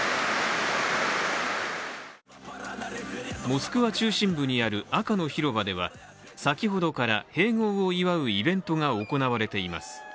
モスクワ中心部にある赤の広場では先ほどから併合を祝うイベントが行われています。